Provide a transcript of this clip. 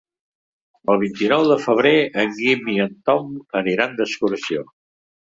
El vint-i-nou de febrer en Guim i en Tom aniran d'excursió.